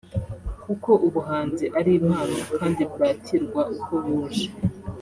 kuko ubuhanzi ari impano kandi bwakirwa uko buje